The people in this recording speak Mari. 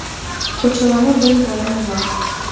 ПОЧЕЛАМУТ ДЕН ПОЭМЕ-ВЛАК